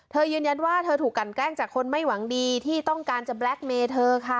ยืนยันว่าเธอถูกกันแกล้งจากคนไม่หวังดีที่ต้องการจะแบล็คเมย์เธอค่ะ